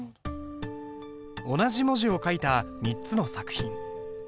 同じ文字を書いた３つの作品。